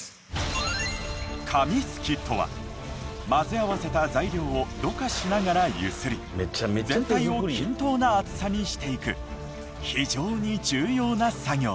紙漉きとは混ぜ合わせた材料をろ過しながら揺すり全体を均等な厚さにしていく非常に重要な作業。